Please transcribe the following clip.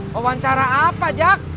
wawancara apa jak